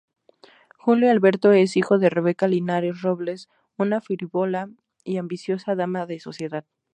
Julio Alberto es hijo de Rebeca Linares-Robles, una frívola y ambiciosa dama de sociedad.